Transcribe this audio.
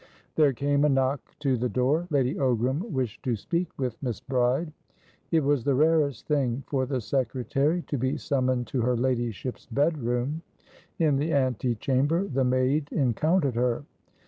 There came a knock to the door. Lady Ogram wished to speak with Miss Bride. It was the rarest thing for the secretary to be summoned to her ladyship's bedroom. In the ante chamber, the maid encountered her.